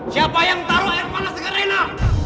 siapa yang taruh air panas ke rina